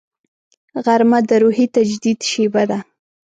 غرمه د روحي تجدید شیبه ده